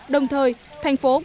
đồng thời thành phố cầm phà